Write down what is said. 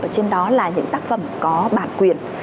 trên đó là những tác phẩm có bản quyền